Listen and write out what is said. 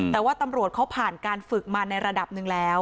แต่ว่าตำรวจเขาผ่านการฝึกมาในระดับหนึ่งแล้ว